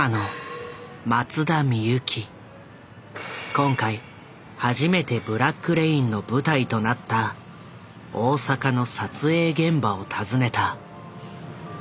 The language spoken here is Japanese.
今回初めて「ブラック・レイン」の舞台となった大阪の撮影現場を訪ねた。